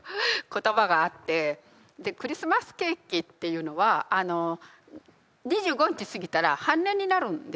クリスマスケーキっていうのは２５日過ぎたら半値になるんですよね。